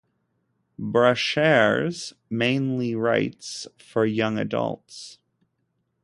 Brashares mainly writes for young adults.